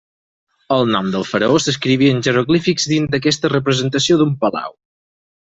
El nom del faraó s'escrivia en jeroglífics dins d'aquesta representació d'un palau.